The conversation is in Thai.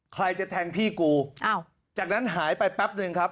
ใครจะแทงพี่กูอ้าวจากนั้นหายไปแป๊บหนึ่งครับ